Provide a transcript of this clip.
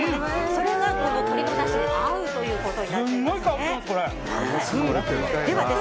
それが鶏のだしに合うということになってますね。